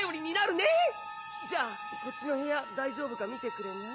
犬磴こっちの部屋大丈夫か見てくれない？